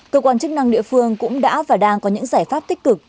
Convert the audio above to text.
cơ quan chức năng địa phương cũng đã và đang có những giải pháp tích cực